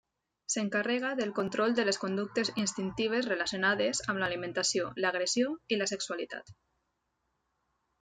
S'encarrega del control de les conductes instintives relacionades amb l'alimentació, l'agressió i la sexualitat.